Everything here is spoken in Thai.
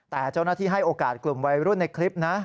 แต่เจ้าหน้าที่ให้โอกาสกลุ่มวัยรุ่นในคลิปนะ